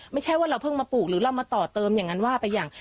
ไม่ใช่ว่าเราเพิ่งมาปลูกหรือเรามาต่อเติมอย่างนั้นว่าไปอย่าง